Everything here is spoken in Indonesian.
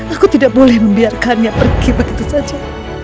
aku tidak boleh membiarkannya pergi begitu saja